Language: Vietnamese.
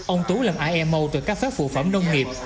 ông tú làm imo từ các phép phụ phẩm nông nghiệp